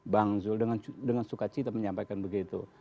bang zul dengan sukacita menyampaikan begitu